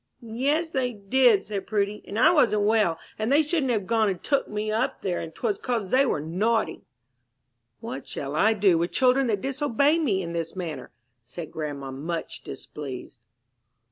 "Yes, they did," said Prudy, "and I wasn't well, and they shouldn't have gone and took me up there, and 'twas 'cause they were naughty." "What shall I do with children that disobey me in this manner?" said grandma, much displeased.